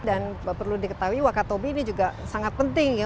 dan perlu diketahui wakatobi ini juga sangat penting ya